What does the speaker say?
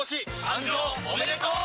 誕生おめでとう！